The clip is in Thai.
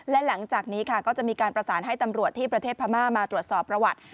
และหลังจากนี้ค่ะก็จะมีการประสานให้ตำรวจที่ประเทศพม่ามาตรวจสอบประวัติ